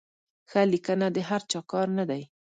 ښه لیکنه د هر چا کار نه دی.